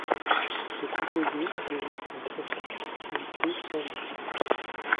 Ce composé développe une très forte activité fongicide.